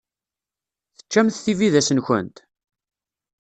Teččamt tibidas-nkent?